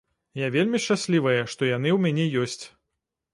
Я вельмі шчаслівая, што яны ў мяне ёсць.